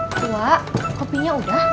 pak kopinya udah